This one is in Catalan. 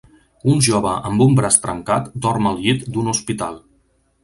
Un jove amb un braç trencat dorm al llit d'un hospital.